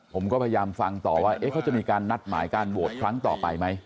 ผมก็พยายามฟังต่อว่าเขาจะมีการนัดหมายการโหวตครั้งต่อไปไหม